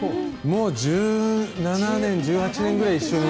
もう１７年、１８年くらい一緒に。